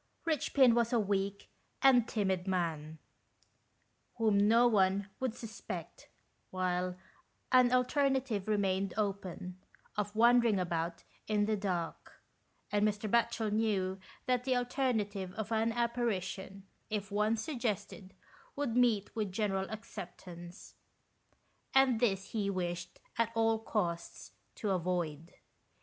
Richpin was a weak and timid man, whom no one would suspect, whilst an alternative remained open, of wandering about in the dark; and Mr. Batchel knew that the alternative of an apparition, if once suggested, would meet with general acceptance, and this he wished, at all costs, to avoid.